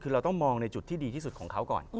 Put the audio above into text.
คือเราต้องมองในจุดที่ดีที่สุดของเขาก่อน